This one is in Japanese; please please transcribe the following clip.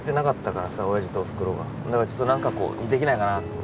だからちょっと何かこうできないかなと思って。